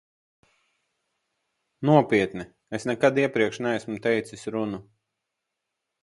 Nopietni, es nekad iepriekš neesmu teicis runu.